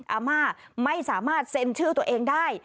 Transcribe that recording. อาม่าไม่สามารถเซ็นชื่อตัวเองได้